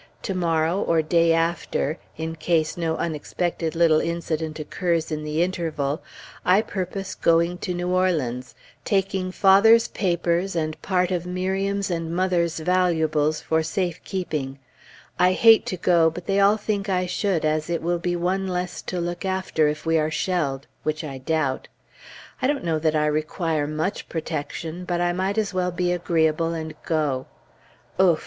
To morrow, or day after, in case no unexpected little incident occurs in the interval, I purpose going to New Orleans, taking father's papers and part of Miriam's and mother's valuables for safe keeping. I hate to go, but they all think I should, as it will be one less to look after if we are shelled which I doubt. I don't know that I require much protection, but I might as well be agreeable and go. Ouf!